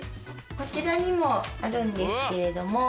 こちらにもあるんですけれども。